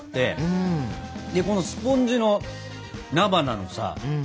このスポンジの菜花のさ